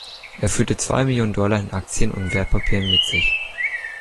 Er führte zwei Millionen Dollar in Aktien und Wertpapieren mit sich.